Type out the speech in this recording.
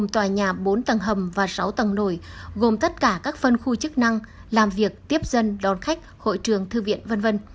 sáu tầng hầm và sáu tầng nổi gồm tất cả các phân khu chức năng làm việc tiếp dân đón khách hội trường thư viện v v